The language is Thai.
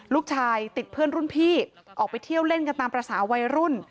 ลูกชายติดเพื่อนรุ่นพี่ออกไปเที่ยวเล่นกันตามภาษาวัยรุ่น